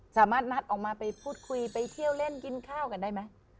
สามารถนัดออกมาไปพูดคุยไปเที่ยวเล่นกินข้าวกันได้ไหม